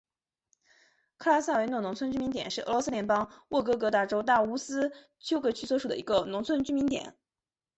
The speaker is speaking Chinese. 克拉萨维诺农村居民点是俄罗斯联邦沃洛格达州大乌斯秋格区所属的一个农村居民点。